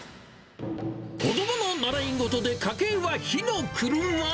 子どもの習い事で家計は火の車。